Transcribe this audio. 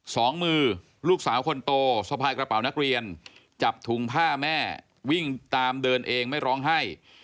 สองมือลูกสาวคนโตสะพายกระเป๋านักเรียนจับถุงผ้าแม่วิ่งตามเดินเองไม่ร้องไห้